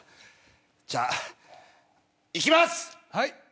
じゃあいきます。